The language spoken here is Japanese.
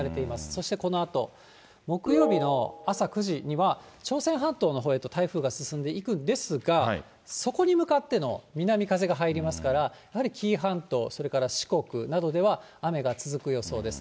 そしてこのあと、木曜日の朝９時には、朝鮮半島のほうへと台風が進んでいくんですが、そこに向かっての南風が入りますから、やはり紀伊半島、それから四国などでは、雨が続く予想です。